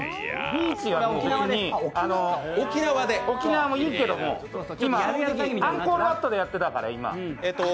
ビーチもいいけどアンコールワットでやってたから、今。